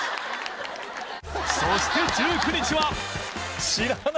そして１９日は